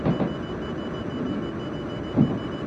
Nḥemmel-ik!